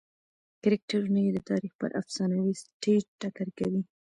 کرکټرونه یې د تاریخ پر افسانوي سټېج ټکر کوي.